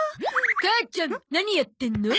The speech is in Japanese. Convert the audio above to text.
母ちゃん何やってんの？